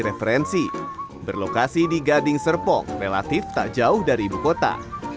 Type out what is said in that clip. referensi berlokasi di gading serpong relatif tak jauh dari ibu kota